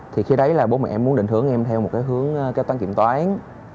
thì khi đấy là bố mẹ em muốn định hướng em theo một cái hướng kế toán kiểm toán